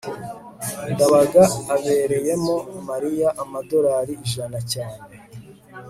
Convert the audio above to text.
ndabaga abereyemo mariya amadorari ijana cyane